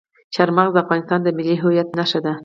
چار مغز د افغانستان د ملي هویت نښه ده.